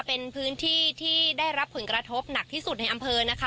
เป็นพื้นที่ที่ได้รับผลกระทบหนักที่สุดในอำเภอนะคะ